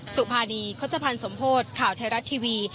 สุภานีคสมโพธข่าวไทยรัฐทีวี